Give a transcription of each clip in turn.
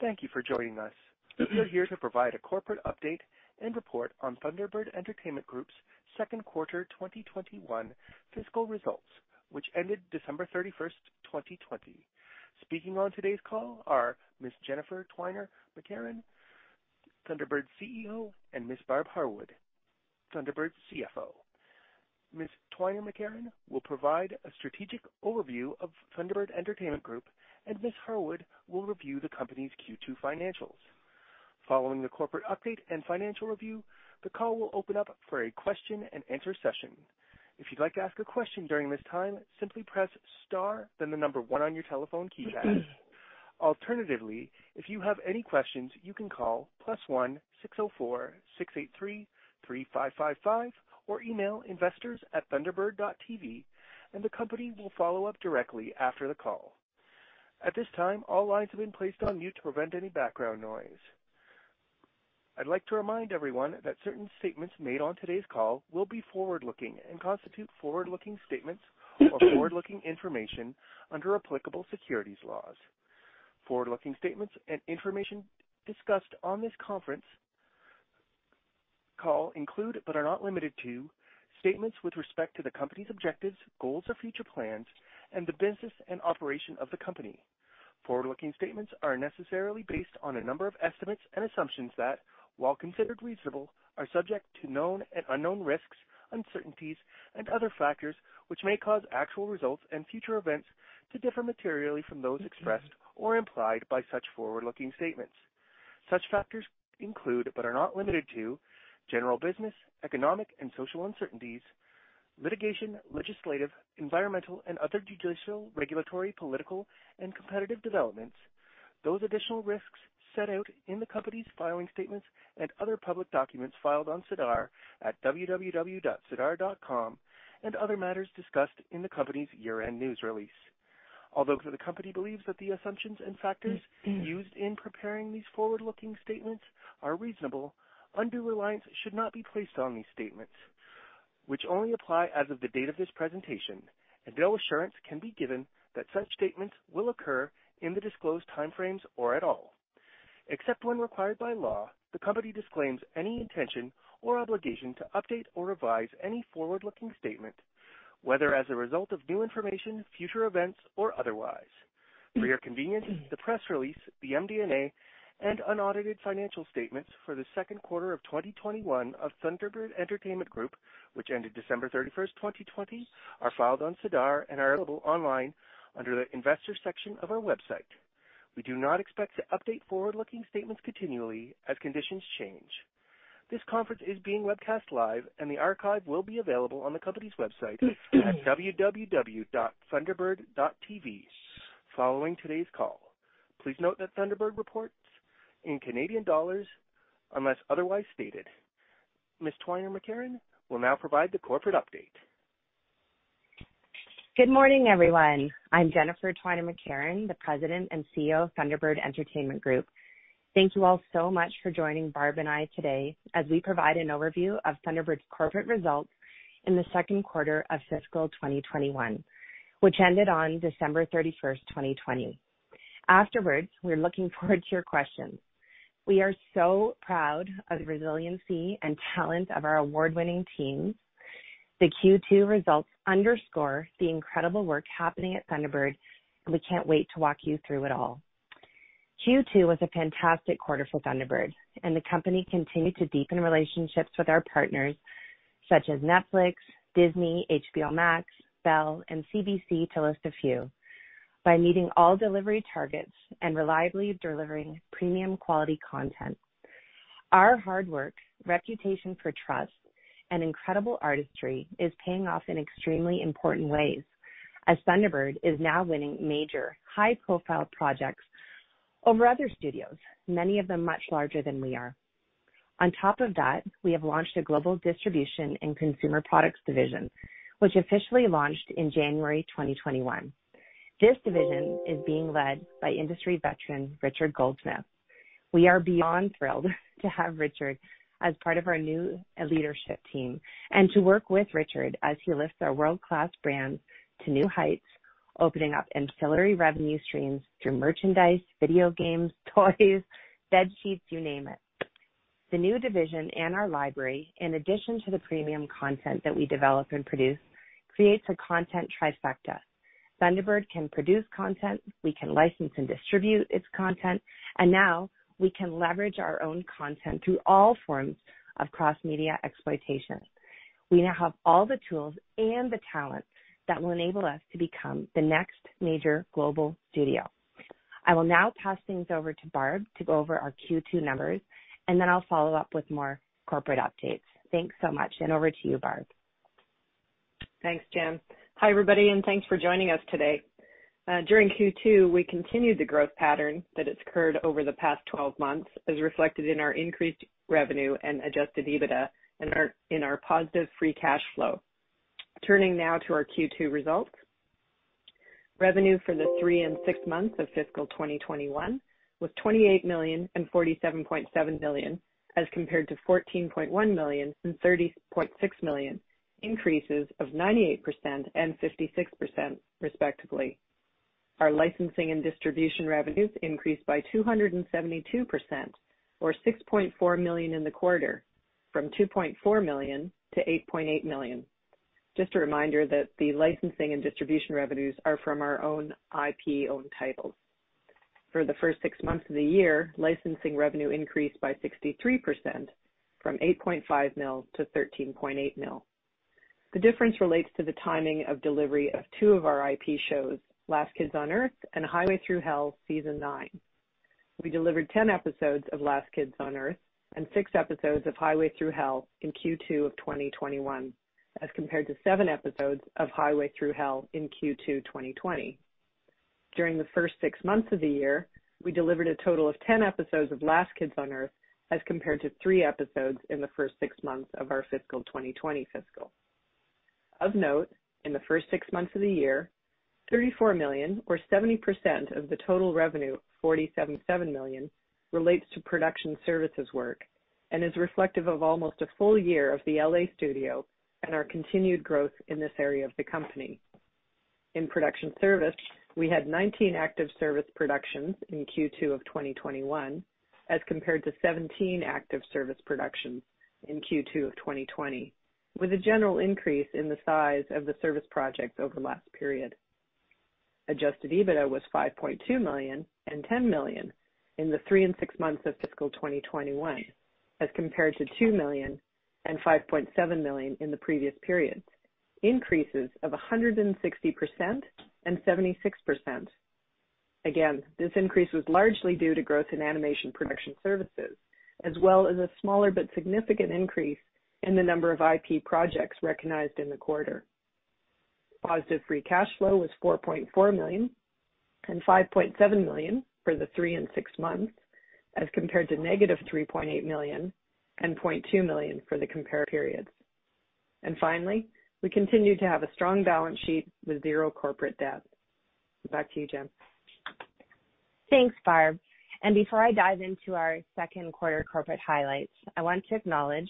Thank you for joining us. We are here to provide a corporate update and report on Thunderbird Entertainment Group's second quarter 2021 fiscal results, which ended December 31st, 2020. Speaking on today's call are Ms. Jennifer Twiner McCarron, Thunderbird's CEO, and Ms. Barb Harwood, Thunderbird's CFO. Ms. Twiner McCarron will provide a strategic overview of Thunderbird Entertainment Group, and Ms. Harwood will review the company's Q2 financials. Following the corporate update and financial review, the call will open up for a question-and-answer session. If you'd like to ask a question duiring this time, simply press star then the number one on your telephone keypad. Alternatively, if you have any questions, you can call, press 160-4833-355 or email investor@thunderbird.tv, and the company will follow up directly after the call. At this time, all lines will be place on mute to prevent any background noise. I'd like to remind everyone that certain statements made on today's call will be forward-looking and constitute forward-looking statements or forward-looking information under applicable securities laws. Forward-looking statements and information discussed on this conference call include, but are not limited to, statements with respect to the company's objectives, goals, or future plans, and the business and operation of the company. Forward-looking statements are necessarily based on a number of estimates and assumptions that, while considered reasonable, are subject to known and unknown risks, uncertainties and other factors which may cause actual results and future events to differ materially from those expressed or implied by such forward-looking statements. Such factors include, but are not limited to, general business, economic and social uncertainties, litigation, legislative, environmental and other judicial, regulatory, political and competitive developments. Those additional risks set out in the company's filing statements and other public documents filed on SEDAR at www.sedar.com and other matters discussed in the company's year-end news release. Although the company believes that the assumptions and factors used in preparing these forward-looking statements are reasonable, undue reliance should not be placed on these statements, which only apply as of the date of this presentation, and no assurance can be given that such statements will occur in the disclosed time frames or at all. Except when required by law, the company disclaims any intention or obligation to update or revise any forward-looking statement, whether as a result of new information, future events, or otherwise. For your convenience, the press release, the MD&A, and unaudited financial statements for the second quarter of 2021 of Thunderbird Entertainment Group, which ended December 31st, 2020, are filed on SEDAR and are available online under the investors section of our website. We do not expect to update forward-looking statements continually as conditions change. This conference is being webcast live and the archive will be available on the company's website at www.thunderbird.tv following today's call. Please note that Thunderbird reports in Canadian dollars unless otherwise stated. Ms. Twiner McCarron will now provide the corporate update. Good morning, everyone. I'm Jennifer Twiner McCarron, the President and CEO of Thunderbird Entertainment Group. Thank you all so much for joining Barb and I today as we provide an overview of Thunderbird's corporate results in the second quarter of fiscal 2021, which ended on December 31st, 2020. Afterwards, we're looking forward to your questions. We are so proud of the resiliency and talent of our award-winning teams. The Q2 results underscore the incredible work happening at Thunderbird, and we can't wait to walk you through it all. Q2 was a fantastic quarter for Thunderbird, and the company continued to deepen relationships with our partners such as Netflix, Disney, HBO Max, Bell, and CBC, to list a few, by meeting all delivery targets and reliably delivering premium quality content. Our hard work, reputation for trust and incredible artistry is paying off in extremely important ways as Thunderbird is now winning major high-profile projects over other studios, many of them much larger than we are. On top of that, we have launched a Global Distribution and Consumer Products division, which officially launched in January 2021. This division is being led by industry veteran Richard Goldsmith. We are beyond thrilled to have Richard as part of our new leadership team and to work with Richard as he lifts our world-class brands to new heights, opening up ancillary revenue streams through merchandise, video games, toys, bedsheets, you name it. The new division and our library, in addition to the premium content that we develop and produce, creates a content trifecta. Thunderbird can produce content, we can license and distribute its content, and now we can leverage our own content through all forms of cross-media exploitation. We now have all the tools and the talent that will enable us to become the next major global studio. I will now pass things over to Barb to go over our Q2 numbers, and then I'll follow up with more corporate updates. Thanks so much, and over to you, Barb. Thanks, Jen. Hi, everybody, and thanks for joining us today. During Q2, we continued the growth pattern that has occurred over the past 12 months, as reflected in our increased revenue and adjusted EBITDA in our positive free cash flow. Turning now to our Q2 results. Revenue for the three and six months of fiscal 2021 was 28 million and 47.7 million, as compared to 14.1 million and 30.6 million. Increases of 98% and 56%, respectively. Our licensing and distribution revenues increased by 272%, or 6.4 million in the quarter, from 2.4 million to 8.8 million. Just a reminder that the licensing and distribution revenues are from our own IP-owned titles. For the first six months of the year, licensing revenue increased by 63%, from 8.5 million to 13.8 million. The difference relates to the timing of delivery of two of our IP shows, The Last Kids on Earth and Highway Thru Hell Season 9. We delivered 10 episodes of The Last Kids on Earth and six episodes of Highway Thru Hell in Q2 of 2021, as compared to seven episodes of Highway Thru Hell in Q2 2020. During the first six months of the year, we delivered a total of 10 episodes of The Last Kids on Earth, as compared to three episodes in the first six months of our fiscal 2020. Of note, in the first six months of the year, 34 million or 70% of the total revenue, 47.7 million, relates to production services work and is reflective of almost a full year of the L.A. studio and our continued growth in this area of the company. In production service, we had 19 active service productions in Q2 of 2021 as compared to 17 active service productions in Q2 of 2020, with a general increase in the size of the service projects over last period. Adjusted EBITDA was 5.2 million and 10 million in the three and six months of fiscal 2021, as compared to 2 million and 5.7 million in the previous periods, increases of 160% and 76%. Again, this increase was largely due to growth in animation production services, as well as a smaller but significant increase in the number of IP projects recognized in the quarter. Positive free cash flow was 4.4 million and 5.7 million for the three and six months, as compared to -3.8 million and 0.2 million for the compared periods. Finally, we continue to have a strong balance sheet with zero corporate debt. Back to you, Jennifer. Thanks, Barb. Before I dive into our second quarter corporate highlights, I want to acknowledge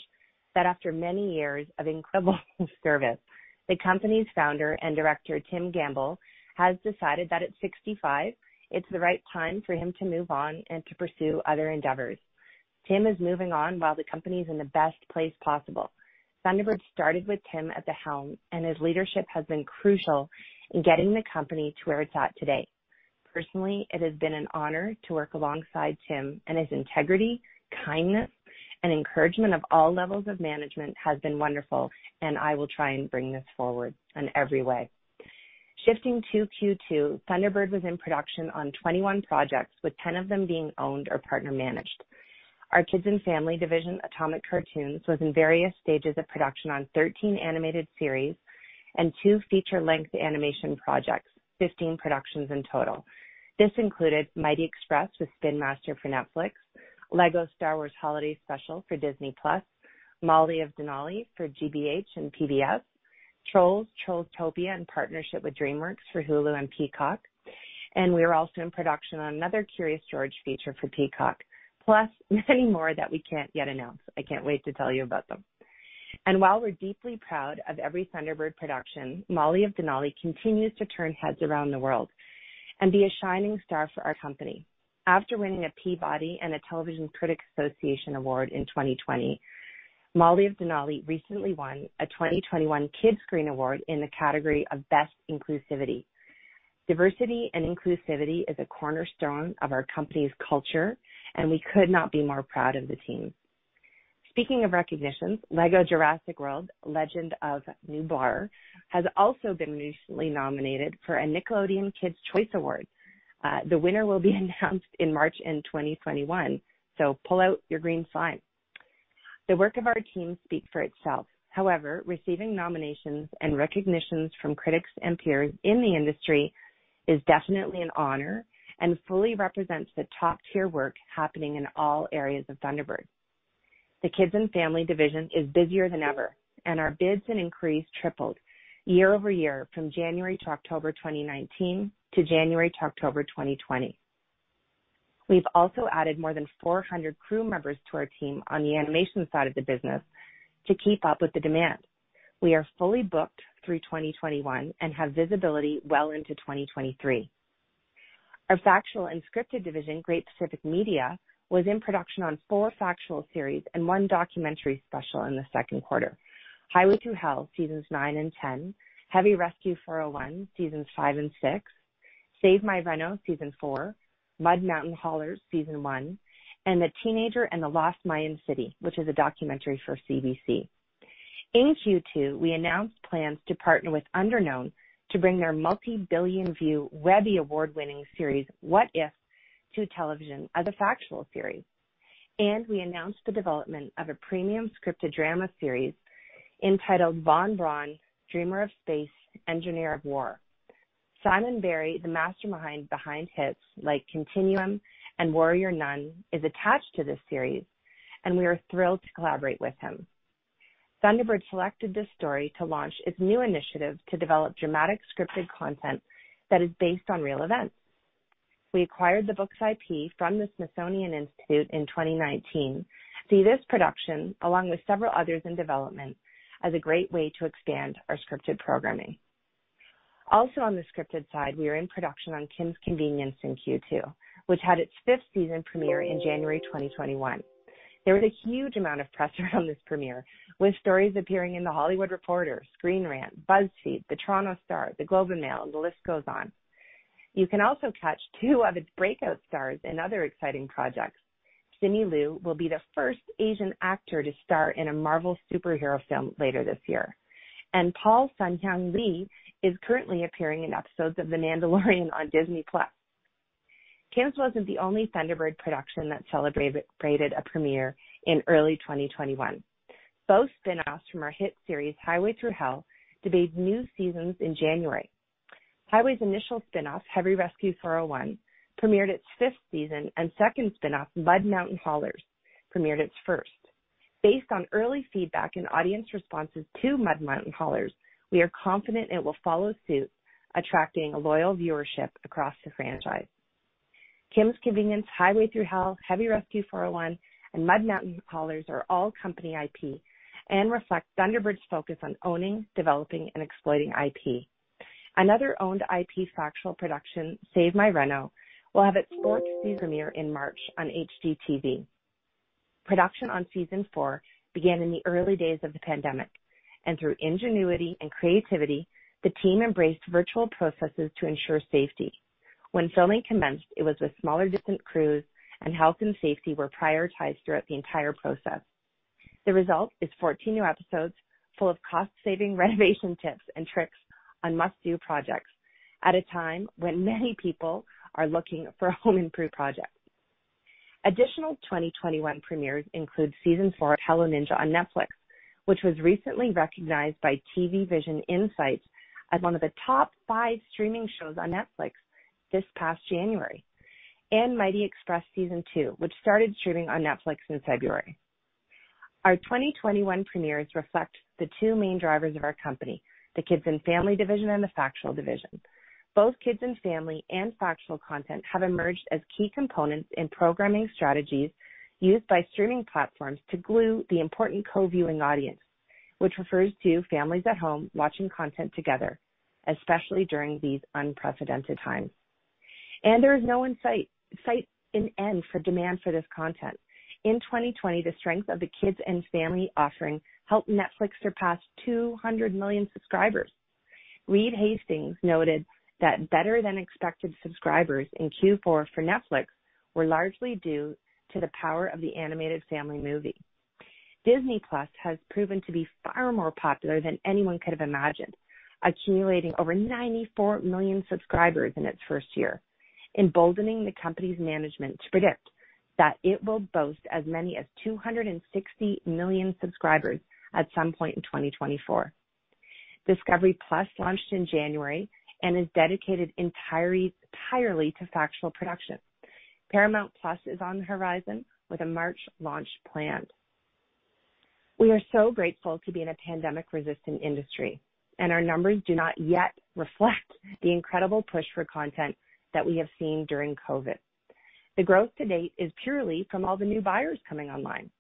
that after many years of incredible service, the company's Founder and Director, Tim Gamble, has decided that at 65, it's the right time for him to move on and to pursue other endeavors. Tim is moving on while the company is in the best place possible. Thunderbird started with Tim at the helm, and his leadership has been crucial in getting the company to where it's at today. Personally, it has been an honor to work alongside Tim and his integrity, kindness, and encouragement of all levels of management has been wonderful, and I will try and bring this forward in every way. Shifting to Q2, Thunderbird was in production on 21 projects, with 10 of them being owned or partner managed. Our Kids and Family division, Atomic Cartoons, was in various stages of production on 13 animated series and two feature-length animation projects, 15 productions in total. This included Mighty Express with Spin Master for Netflix, Lego Star Wars Holiday Special for Disney+, Molly of Denali for GBH and PBS, Trolls: TrollsTopia in partnership with DreamWorks for Hulu and Peacock. We are also in production on another Curious George feature for Peacock, plus many more that we can't yet announce. I can't wait to tell you about them. While we're deeply proud of every Thunderbird production, Molly of Denali continues to turn heads around the world and be a shining star for our company. After winning a Peabody and a Television Critics Association Award in 2020, Molly of Denalirecently won a 2021 Kidscreen Award in the category of Best Inclusivity. Diversity and inclusivity is a cornerstone of our company's culture, and we could not be more proud of the team. Speaking of recognitions, Lego Jurassic World: Legend of Nublar has also been recently nominated for a Nickelodeon Kids' Choice Award. The winner will be announced in March in 2021, so pull out your green slime. The work of our team speak for itself. However, receiving nominations and recognitions from critics and peers in the industry is definitely an honor and fully represents the top-tier work happening in all areas of Thunderbird. The Kids and Family division is busier than ever, and our bids and inquiries tripled year-over-year from January to October 2019 to January to October 2020. We've also added more than 400 crew members to our team on the animation side of the business to keep up with the demand. We are fully booked through 2021 and have visibility well into 2023. Our Factual and Scripted division, Great Pacific Media, was in production on four Factual series and one documentary special in the second quarter. Highway Thru Hell Seasons 9 and 10, Heavy Rescue: 401, Seasons 5 and 6, Save My Reno Season 4, Mud Mountain Haulers Season 1, and The Teenager and the Lost Mayan City which is a documentary for CBC. In Q2, we announced plans to partner with Underknown to bring their multi-billion view Webby Award-winning series, What If?" to television as a Factual series. We announced the development of a premium scripted drama series entitled Von Braun: Dreamer of Space, Engineer of War. Simon Barry, the mastermind behind hits like Continuum and Warrior Nun, is attached to this series, and we are thrilled to collaborate with him. Thunderbird selected this story to launch its new initiative to develop dramatic scripted content that is based on real events. We acquired the books IP from the Smithsonian Institution in 2019. See this production, along with several others in development, as a great way to expand our scripted programming. Also on the scripted side, we are in production on Kim's Convenience in Q2, which had its fifth season premiere in January 2021. There was a huge amount of press around this premiere, with stories appearing in The Hollywood Reporter, Screen Rant, BuzzFeed, The Toronto Star, The Globe and Mail, the list goes on. You can also catch two of its breakout stars in other exciting projects. Simu Liu will be the first Asian actor to star in a Marvel superhero film later this year, and Paul Sun-Hyung Lee is currently appearing in episodes of The Mandalorian on Disney+. Kim's wasn't the only Thunderbird production that celebrated a premiere in early 2021. Both spinoffs from our hit series, Highway Thru Hell, debuted new seasons in January. Highway's initial spinoff, Heavy Rescue: 401, premiered its fifth season, and second spinoff, Mud Mountain Haulers, premiered its first. Based on early feedback and audience responses to Mud Mountain Haulers," we are confident it will follow suit, attracting a loyal viewership across the franchise. Kim's Convenience, Highway Thru Hell, Heavy Rescue: 401, and Mud Mountain Haulers are all company IP and reflect Thunderbird's focus on owning, developing, and exploiting IP. A nother owned IP Factual production, Save My Reno, will have its fourth season premiere in March on HGTV. Production on Season 4 began in the early days of the pandemic, and through ingenuity and creativity, the team embraced virtual processes to ensure safety. When filming commenced, it was with smaller, distant crews, and health and safety were prioritized throughout the entire process. The result is 14 new episodes full of cost-saving renovation tips and tricks on must-do projects at a time when many people are looking for a home improvement project. Additional 2021 premieres include Season 4 of Hello Ninja on Netflix, which was recently recognized by TVision Insights as one of the top five streaming shows on Netflix this past January, and Mighty Express Season 2, which started streaming on Netflix in February. Our 2021 premieres reflect the two main drivers of our company, the Kids and Family division and the Factual division. Both Kids and Family and Factual content have emerged as key components in programming strategies used by streaming platforms to glue the important co-viewing audience, which refers to families at home watching content together, especially during these unprecedented times. There is no insight in end for demand for this content. In 2020, the strength of the Kids and Family offering helped Netflix surpass 200 million subscribers. Reed Hastings noted that better-than-expected subscribers in Q4 for Netflix were largely due to the power of the animated family movie. Disney+ has proven to be far more popular than anyone could have imagined, accumulating over 94 million subscribers in its first year, emboldening the company's management to predict that it will boast as many as 260 million subscribers at some point in 2024. Discovery+ launched in January and is dedicated entirely to Factual production. Paramount+ is on the horizon with a March launch planned. We are so grateful to be in a pandemic-resistant industry, and our numbers do not yet reflect the incredible push for content that we have seen during COVID. The growth to date is purely from all the new buyers coming online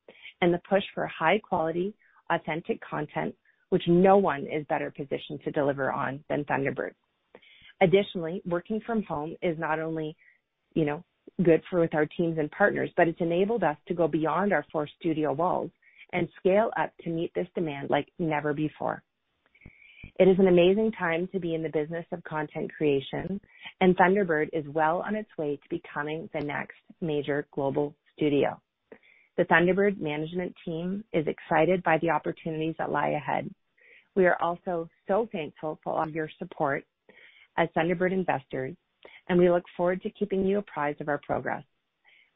and the push for high-quality, authentic content, which no one is better positioned to deliver on than Thunderbird. Additionally, working from home is not only good for our teams and partners, but it's enabled us to go beyond our four studio walls and scale up to meet this demand like never before. It is an amazing time to be in the business of content creation, and Thunderbird is well on its way to becoming the next major global studio. The Thunderbird management team is excited by the opportunities that lie ahead. We are also so thankful for all your support as Thunderbird investors. We look forward to keeping you apprised of our progress.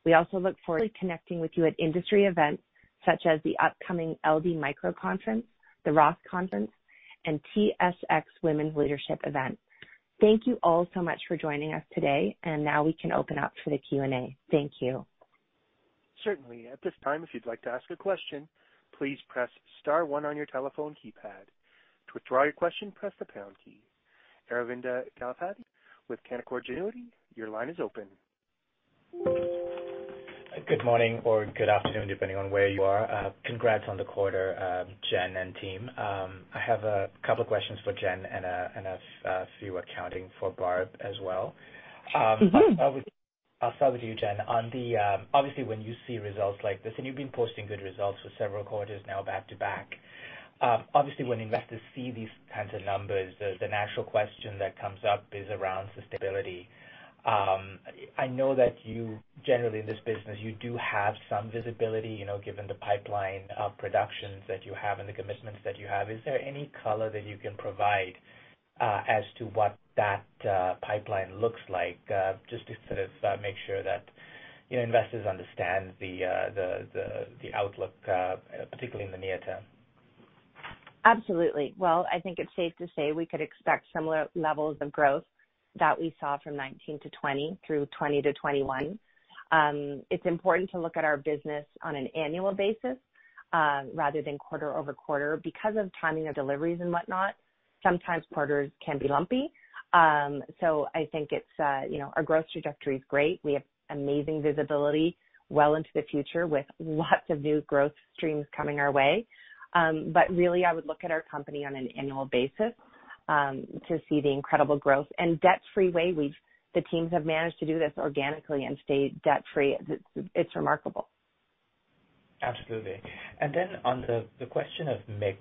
We also look forward to connecting with you at industry events such as the upcoming LD Micro Conference, the ROTH Conference, and TSX Women's Leadership Event. Thank you all so much for joining us today. Now we can open up for the Q&A. Thank you. Certainly, at this time should you need to ask a question, please press star one on your telephoe keypad. To withdraw your question, please press the pound key. Aravinda Galappatthige with Canaccord Genuity, your line is open. Good moring or good afternoon, depending on where you are. Congrats on the quarter, Jen and team. I have a couple questions for Jen and a few accounting for Barb as well. I'll start with you, Jen. Obviously, when you see results like this, and you've been posting good results for several quarters now back-to-back. Obviously, when investors see these kinds of numbers, the natural question that comes up is around sustainability. I know that you generally, in this business, you do have some visibility, given the pipeline of productions that you have and the commitments that you have. Is there any color that you can provide as to what that pipeline looks like, just to sort of make sure that investors understand the outlook, particularly in the near term? Absolutely. Well, I think it's safe to say we could expect similar levels of growth that we saw from 2019-2020 through 2020-2021. It's important to look at our business on an annual basis rather than quarter-over-quarter because of timing of deliveries and whatnot. Sometimes quarters can be lumpy. I think our growth trajectory is great. We have amazing visibility well into the future with lots of new growth streams coming our way. Really, I would look at our company on an annual basis to see the incredible growth and debt-free way. The teams have managed to do this organically and stay debt-free. It's remarkable. Absolutely. And then on the question of mix,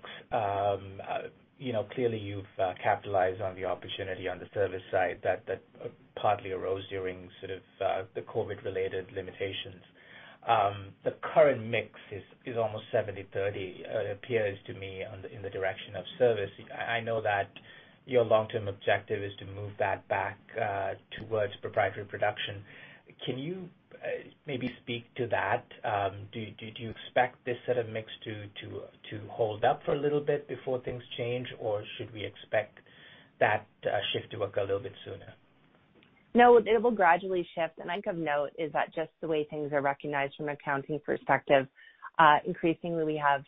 clearly you've capitalized on the opportunity on the service side that partly arose during the COVID-related limitations. The current mix is almost 70-30, appears to me, in the direction of service. I know that your long-term objective is to move that back towards proprietary production. Can you maybe speak to that? Do you expect this sort of mix to hold up for a little bit before things change or should we expect that shift to occur a little bit sooner? No, it will gradually shift. I think of note is that just the way things are recognized from an accounting perspective, increasingly we have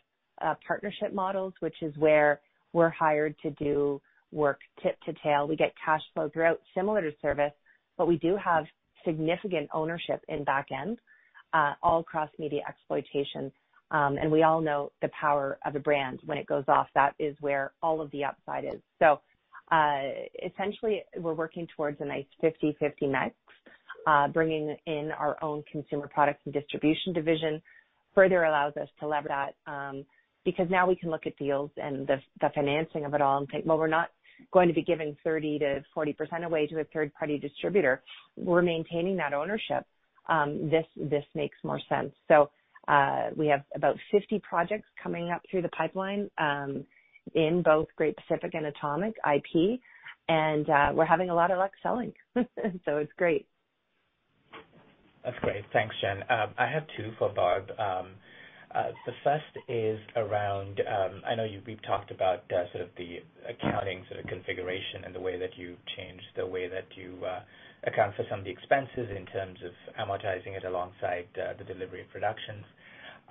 partnership models, which is where we're hired to do work tip to tail. We get cash flow throughout, similar to service, but we do have significant ownership in back end all across media exploitation. We all know the power of a brand when it goes off, that is where all of the upside is. Essentially, we're working towards a nice 50-50 mix. Bringing in our own Consumer Products and Distribution division further allows us to lever that, because now we can look at deals and the financing of it all and think, "Well, we're not going to be giving 30%-40% away to a third-party distributor. We're maintaining that ownership." This makes more sense. We have about 50 projects coming up through the pipeline in both Great Pacific and Atomic IP, and we're having a lot of luck selling, so it's great. That's great. Thanks, Jen. I have two for Barb. The first is around, I know we've talked about the accounting configuration and the way that you've changed the way that you account for some of the expenses in terms of amortizing it alongside the delivery of productions.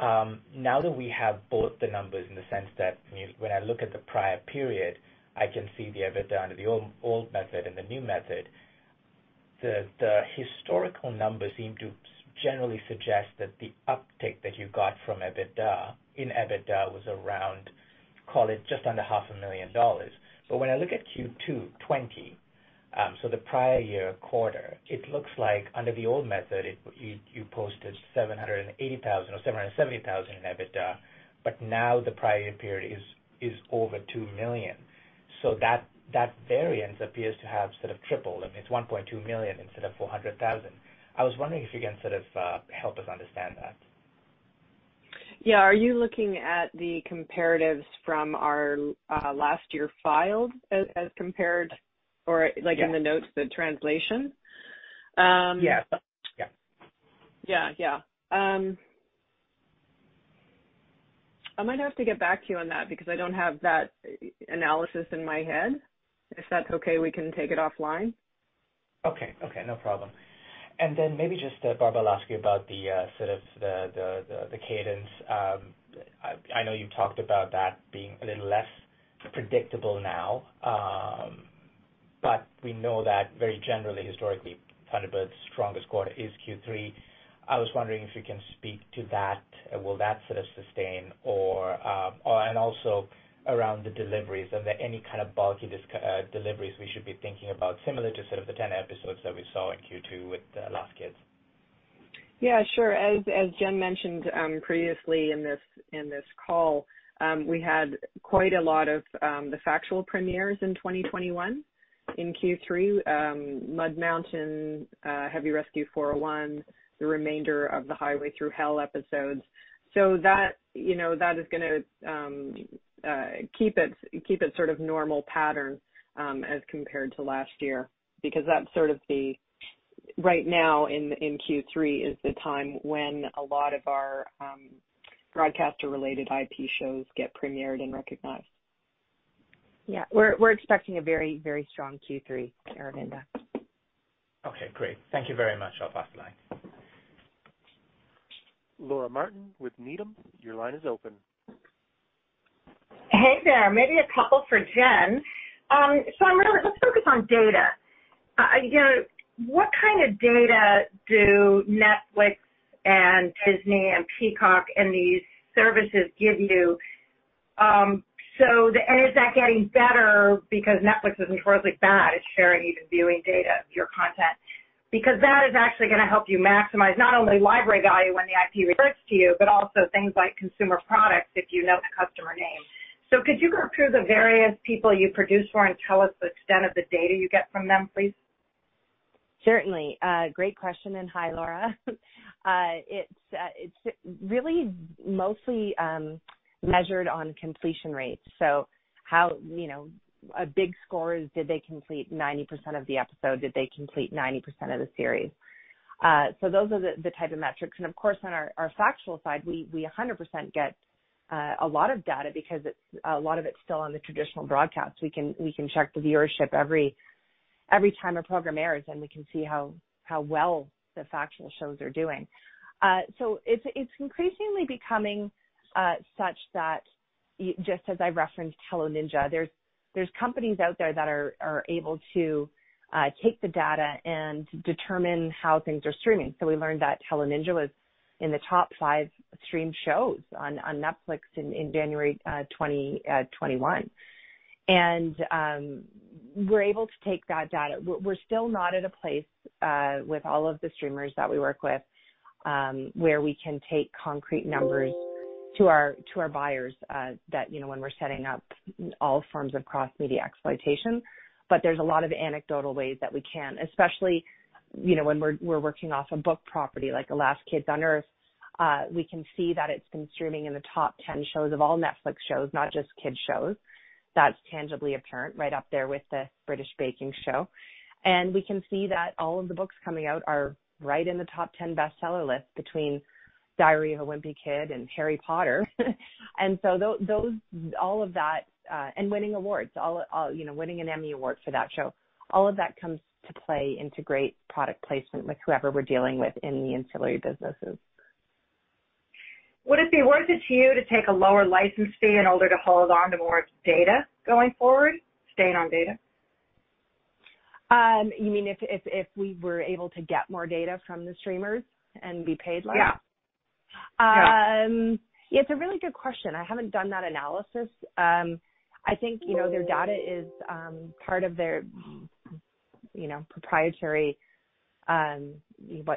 Now that we have both the numbers in the sense that when I look at the prior period, I can see the EBITDA under the old method and the new method. The historical numbers seem to generally suggest that the uptick that you got in EBITDA was around, call it just under 500,000 million dollars. When I look at Q2 2020, so the prior year quarter, it looks like under the old method, you posted 780,000 or 770,000 in EBITDA, but now the prior year period is over 2 million. That variance appears to have tripled, and it's 1.2 million instead of 400,000. I was wondering if you can help us understand that. Yeah. Are you looking at the comparatives from our last year filed as compared or- Yeah. ...it's like in the notes, the translation? Yeah. Yeah. I might have to get back to you on that because I don't have that analysis in my head. If that's okay, we can take it offline. Okay. No problem. Maybe just, Barb, I'll ask you about the cadence. I know you've talked about that being a little less predictable now. We know that very generally, historically, Thunderbird's strongest quarter is Q3. I was wondering if you can speak to that. Will that sustain? Also around the deliveries, are there any kind of bulky deliveries we should be thinking about, similar to the 10 episodes that we saw in Q2 with The Last Kids? Yeah, sure. As Jen mentioned previously in this call, we had quite a lot of the Factual premieres in 2021 in Q3, Mud Mountain Haulers, Heavy Rescue: 401, the remainder of the Highway Thru Hell episodes. That is going to keep its normal pattern, as compared to last year, because that's right now in Q3 is the time when a lot of our broadcaster-related IP shows get premiered and recognized. Yeah. We're expecting a very strong Q3, Aravinda. Okay, great. Thank you very much. I'll pass the line. Laura Martin with Needham, your line is open. Hey there. Maybe a couple for Jen. Let's focus on data. What kind of data do Netflix and Disney and Peacock and these services give you? Is that getting better because Netflix isn't historically bad at sharing even viewing data of your content because that is actually going to help you maximize not only library value when the IP reverts to you, but also things like Consumer Products if you know the customer name. Could you go through the various people you produce for and tell us the extent of the data you get from them, please? Certainly. Great question, and hi, Laura. It's really mostly measured on completion rates. A big score is did they complete 90% of the episode? Did they complete 90% of the series? Those are the type of metrics, and of course, on our Factual side, we 100% get a lot of data because a lot of it's still on the traditional broadcast. We can check the viewership every time a program airs, and we can see how well the Factual shows are doing. It's increasingly becoming such that, just as I referenced Hello Ninja, there's companies out there that are able to take the data and determine how things are streaming. We learned that Hello Ninja was in the top five streamed shows on Netflix in January 2021 and we're able to take that data. We're still not at a place with all of the streamers that we work with where we can take concrete numbers to our buyers that when we're setting up all forms of cross-media exploitation. There's a lot of anecdotal ways that we can, especially when we're working off a book property like The Last Kids on Earth, we can see that it's been streaming in the top 10 shows of all Netflix shows, not just kids' shows. That's tangibly apparent right up there with The British Baking Show. We can see that all of the books coming out are right in the top 10 bestseller list between Diary of a Wimpy Kid and Harry Potter. All of that, and winning awards, winning an Emmy Award for that show, all of that comes to play into great product placement with whoever we're dealing with in the ancillary businesses. Would it be worth it to you to take a lower license fee in order to hold on to more data going forward? Staying on data. You mean if we were able to get more data from the streamers and be paid less? Yeah. It's a really good question. I haven't done that analysis. I think their data is part of their proprietary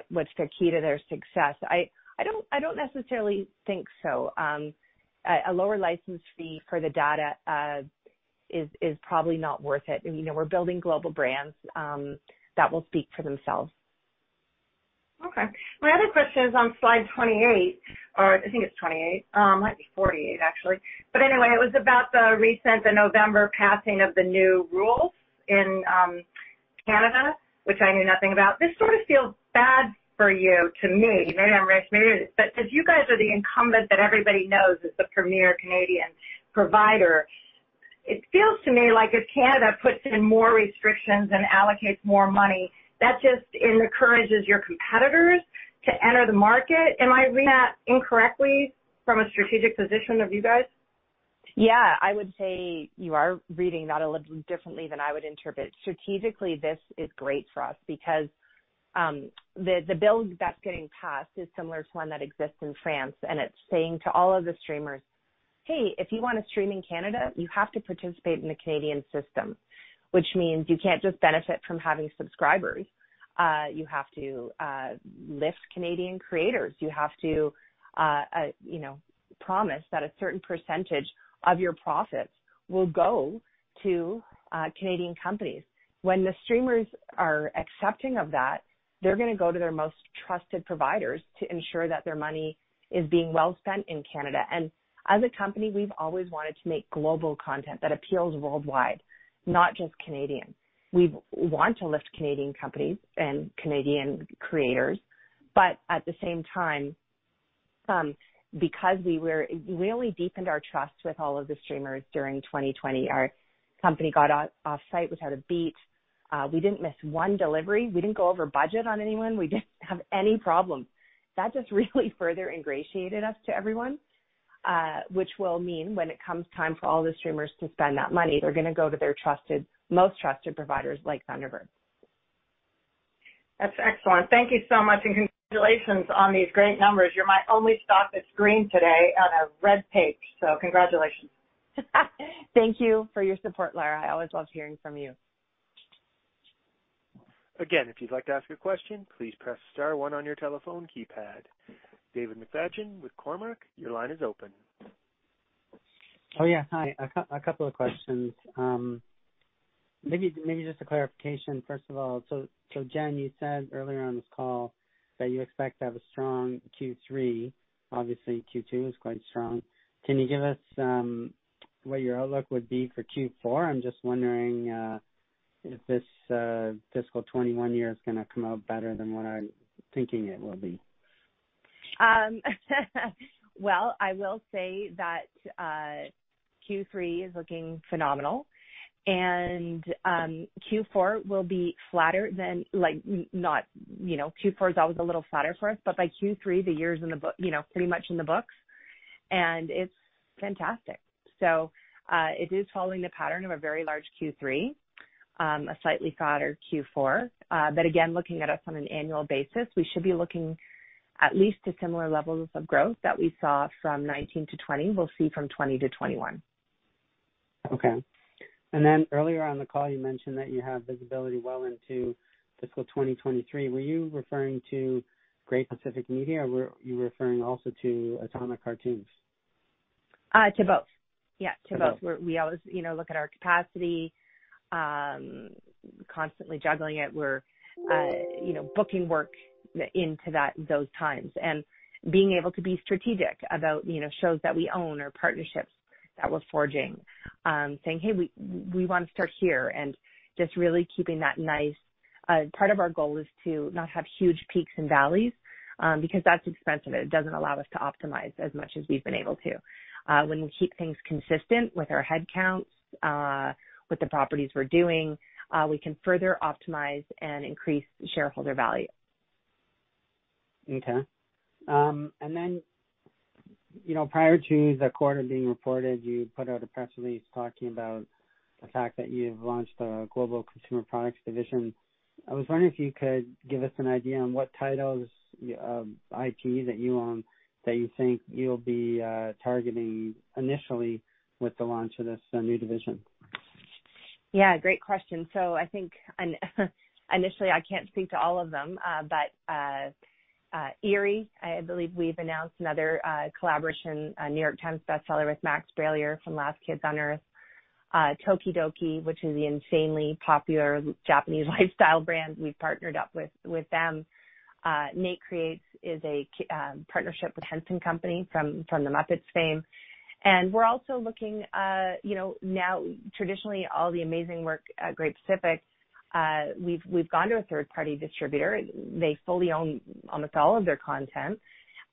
what's the key to their success. I don't necessarily think so. A lower license fee for the data is probably not worth it. We're building global brands that will speak for themselves. Okay. My other question is on slide 28, or I think it's 28. It might be 48, actually. Anyway, it was about the recent November passing of the new rules in Canada, which I knew nothing about. This sort of feels bad for you, to me. Maybe I'm wrong. Because you guys are the incumbent that everybody knows as the premier Canadian provider, it feels to me like if Canada puts in more restrictions and allocates more money, that just encourages your competitors to enter the market. Am I reading that incorrectly from a strategic position of you guys? Yeah. I would say you are reading that a little differently than I would interpret. Strategically, this is great for us because the bill that's getting passed is similar to one that exists in France and it's saying to all of the streamers, "Hey, if you want to stream in Canada, you have to participate in the Canadian system," which means you can't just benefit from having subscribers. You have to lift Canadian creators. You have to promise that a certain percentage of your profits will go to Canadian companies. When the streamers are accepting of that, they're going to go to their most trusted providers to ensure that their money is being well spent in Canada. As a company, we've always wanted to make global content that appeals worldwide, not just Canadian. We want to lift Canadian companies and Canadian creators, but at the same time, because we really deepened our trust with all of the streamers during 2020. Our company got off site without a beat. We didn't miss one delivery. We didn't go over budget on anyone. We didn't have any problems. That just really further ingratiated us to everyone, which will mean when it comes time for all the streamers to spend that money, they're going to go to their most trusted providers like Thunderbird. That's excellent. Thank you so much, and congratulations on these great numbers. You're my only stock that's green today on a red page, so congratulations. Thank you for your support, Laura. I always love hearing from you. Again, if you would like to ask a question, please press star one one on your telephone keypad. David McFadgen with Cormark. Your line is open, Oh, yeah. Hi. A couple of questions. Maybe just a clarification, first of all. Jen, you said earlier on this call that you expect to have a strong Q3. Obviously, Q2 is quite strong. Can you give us what your outlook would be for Q4? I'm just wondering if this fiscal 2021 year is going to come out better than what I'm thinking it will be. Well, I will say that Q3 is looking phenomenal, and Q4 will be flatter than Q4 is always a little flatter for us, but by Q3, the year's pretty much in the books, and it's fantastic. It is following the pattern of a very large Q3, a slightly flatter Q4. Again, looking at us on an annual basis, we should be looking at least to similar levels of growth that we saw from 2019-2020, we'll see from 2020-2021. Okay. And then earlier on in the call, you mentioned that you have visibility well into fiscal 2023. Were you referring to Great Pacific Media? Were you referring also to Atomic Cartoons? To both. Yeah, to both. To both. We always look at our capacity, constantly juggling it. We're booking work into those times and being able to be strategic about shows that we own or partnerships that we're forging, saying, "Hey, we want to start here," and just really keeping that nice. Part of our goal is to not have huge peaks and valleys, because that's expensive, and it doesn't allow us to optimize as much as we've been able to. When we keep things consistent with our headcounts, with the properties we're doing, we can further optimize and increase shareholder value. Okay. And then prior to the quarter being reported, you put out a press release talking about the fact that you've launched a Global Consumer Products division. I was wondering if you could give us an idea on what titles, IP that you own, that you think you'll be targeting initially with the launch of this new division. Yeah, great question. I think initially, I can't speak to all of them. Eerie, I believe we've announced another collaboration, a The New York Times bestseller with Max Brallier from The Last Kids on Earth. tokidoki, which is the insanely popular Japanese lifestyle brand we've partnered up with them. Nate Creates is a partnership with The Jim Henson Company from The Muppets fame. We're also looking, now traditionally all the amazing work at Great Pacific Media, we've gone to a third-party distributor. They fully own almost all of their content.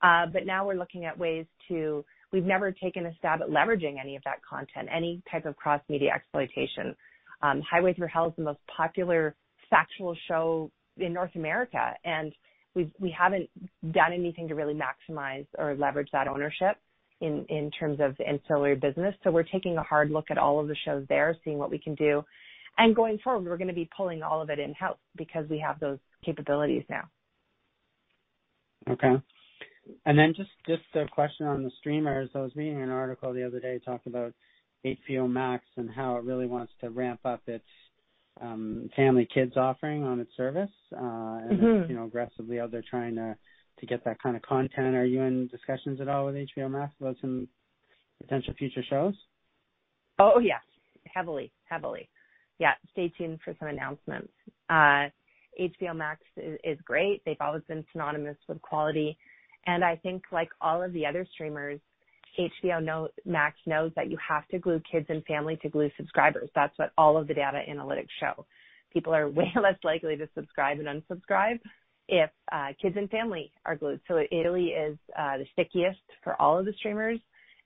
Now we're looking at ways. We've never taken a stab at leveraging any of that content, any type of cross-media exploitation. Highway Thru Hell is the most popular Factual show in North America, and we haven't done anything to really maximize or leverage that ownership in terms of ancillary business. We're taking a hard look at all of the shows there, seeing what we can do. Going forward, we're going to be pulling all of it in-house because we have those capabilities now. Okay. And then just a question on the streamers. I was reading an article the other day talking about HBO Max and how it really wants to ramp up its family kids offering on its service. Is aggressively out there trying to get that kind of content. Are you in discussions at all with HBO Max about some potential future shows? Oh, yes. Heavily. Yeah. Stay tuned for some announcements. HBO Max is great. They've always been synonymous with quality. I think, like all of the other streamers, HBO Max knows that you have to glue Kids and Family to glue subscribers. That's what all of the data analytics show. People are way less likely to subscribe than unsubscribe if Kids and Family are glued. It really is the stickiest for all of the streamers,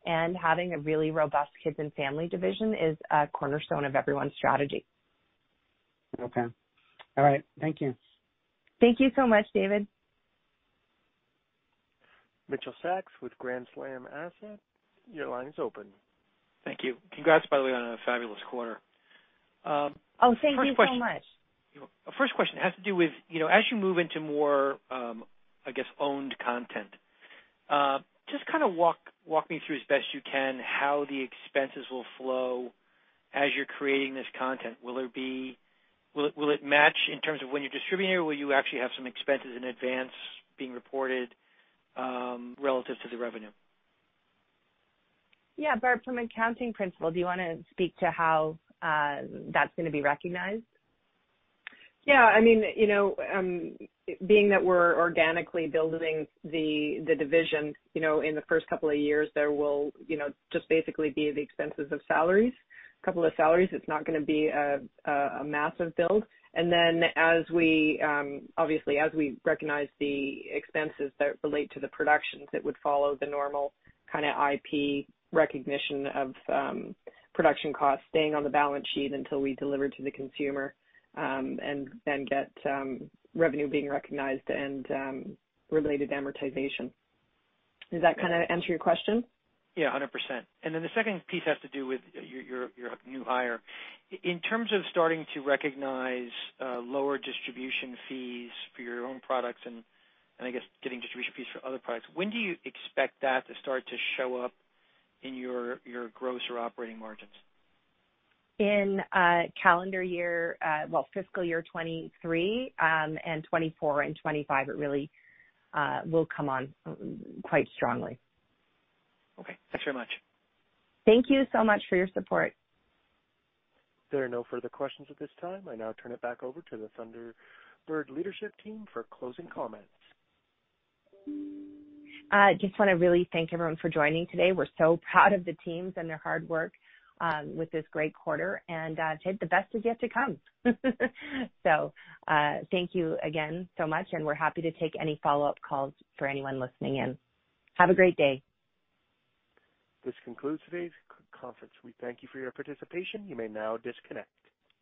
and having a really robust Kids and Family division is a cornerstone of everyone's strategy. Okay. All right. Thank you. Thank you so much, David. Mitchell Sacks with Grand Slam Asset, your line is open. Thank you. Congrats, by the way, on a fabulous quarter. Oh, thank you so much. First question has to do with, as you move into more, I guess, owned content, just walk me through as best you can, how the expenses will flow as you're creating this content. Will it match in terms of when you're distributing, or will you actually have some expenses in advance being reported relative to the revenue? Yeah. Barb, from accounting principle, do you want to speak to how that's going to be recognized? Yeah. Being that we're organically building the division, in the first couple of years, there will just basically be the expenses of salaries, a couple of salaries. It's not going to be a massive build. Obviously, as we recognize the expenses that relate to the productions, it would follow the normal kind of IP recognition of production costs staying on the balance sheet until we deliver to the consumer, and then get revenue being recognized and related amortization. Does that answer your question? Yeah, 100%. The second piece has to do with your new hire. In terms of starting to recognize lower distribution fees for your own products and I guess getting distribution fees for other products, when do you expect that to start to show up in your gross or operating margins? In fiscal year 2023, and 2024 and 2025, it really will come on quite strongly. Okay. Thanks very much. Thank you so much for your support. There are no further questions at this time. I now turn it back over to the Thunderbird leadership team for closing comments. I just want to really thank everyone for joining today. We're so proud of the teams and their hard work with this great quarter, and Tim, the best is yet to come. Thank you again so much, and we're happy to take any follow-up calls for anyone listening in. Have a great day. This concludes today's conference. We thank you for your participation. You may now disconnect.